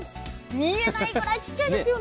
見えないくらいちっちゃいですよね。